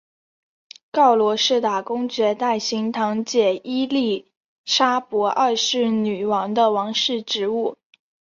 告罗士打公爵代行堂姐伊利莎伯二世女王的王室职务。